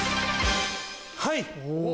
はい！